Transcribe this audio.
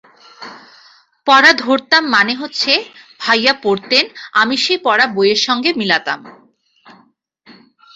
পড়া ধরতাম মানে হচ্ছে—ভাইয়া পড়তেন আমি সেই পড়া বইয়ের সঙ্গে মিলাতাম।